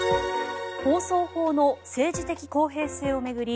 放送法の政治的公平性を巡り